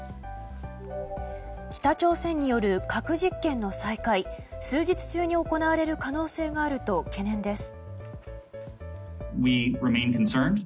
北朝鮮による核実験の再開数日中に行われる可能性があると懸念です。